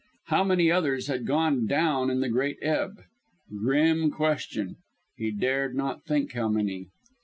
How many others had gone down in the great ebb? Grim question; he dared not think how many.